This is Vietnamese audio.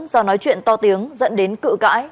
do nói chuyện to tiếng dẫn đến cự cãi